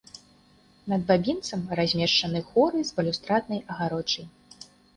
Над бабінцам размешчаны хоры з балюстраднай агароджай.